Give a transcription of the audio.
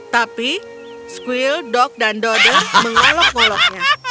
tapi squill dog dan dodder mengolok ngoloknya